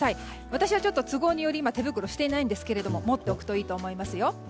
私はちょっと、都合により今、手袋をしていないんですが持っておくといいと思いますよ。